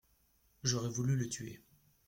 J'aurais voulu le tuer.